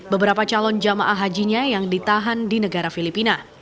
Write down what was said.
beberapa calon jamaah hajinya yang ditahan di negara filipina